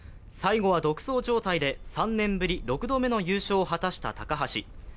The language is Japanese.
最後は独走状態で３年ぶり６度目の優勝を果たした高橋。